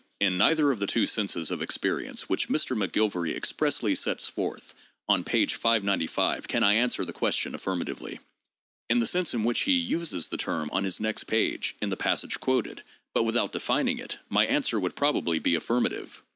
In neither of the two senses of experience which Mr. McGilvary expressly sets forth (on page 595) can I answer his question affirmatively. In the sense in which he uses the term on his next page (in the passages quoted) but without defining it, my answer would probably be affirmative.